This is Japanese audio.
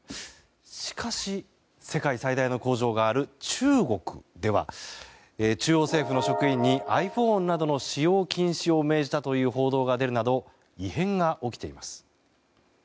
しかし世界最大の工場がある中国では中央政府の職員にｉＰｈｏｎｅなどの使用禁止を命じたという報道が出るなど異変が起きています。